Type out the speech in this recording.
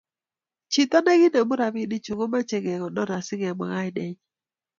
chito neki inemu robinichu komochei kekonor asi kemwa kainenyin